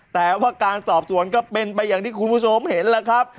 แต่ว่าการสอบสวนก็เป็นไปอย่างที่คุณผู้ชมเห็นแล้วครับ